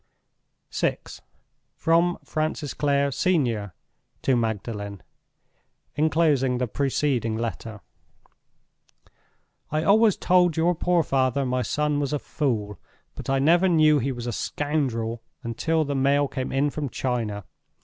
VI. From Francis Clare, Sen., to Magdalen. Enclosing the preceding Letter. "I always told your poor father my son was a Fool, but I never knew he was a Scoundrel until the mail came in from China.